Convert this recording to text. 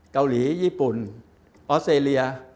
เกาหลีญี่ปุ่นออสเตรเลีย